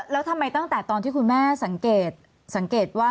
แล้วทำไมตั้งแต่ตอนที่คุณแม่สังเกตสังเกตว่า